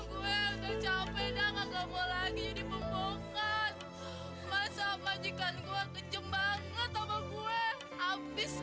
gue udah capek banget mau lagi di pembukaan masa majikan gua kejam banget sama gue habis